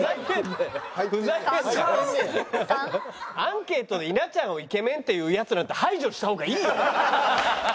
アンケートで稲ちゃんをイケメンって言うヤツなんて排除した方がいいよ！